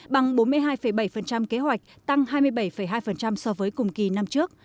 bằng bốn mươi hai bảy kế hoạch tăng hai mươi bảy hai so với cùng kỳ năm trước